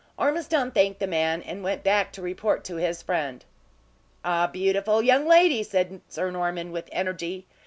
Ormiston thanked the man, and went back to report to his friend. "A beautiful young lady!" said Sir Norman, with energy.